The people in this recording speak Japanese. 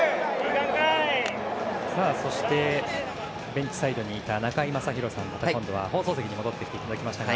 そして、ベンチサイドにいた中居正広さんに今度は放送席に戻ってきていただきました。